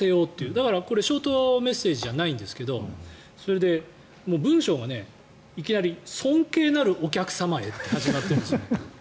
だから、ショートメッセージじゃないんですけどそれで文章がいきなり尊敬なるお客様へって始まってるんですよ。